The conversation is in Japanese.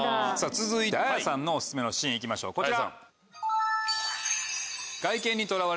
続いてＡＹＡさんのオススメのシーン行きましょうこちら。